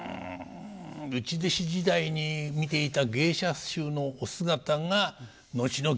内弟子時代に見ていた芸者衆のお姿が後の芸に生きている。